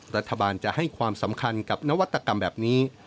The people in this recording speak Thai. รัฐบาลจะให้ความสำคัญกับนวัตกรรมแบบนี้